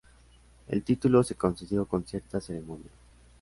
El título se concedió con cierta ceremonia.